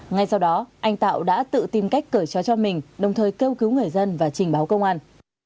ngay sau đó anh tạo đã tự tìm cách cởi trói cho mình đồng thời kêu cứu người dân và trình báo công an